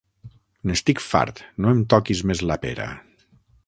N'estic fart, no em toquis més la pera!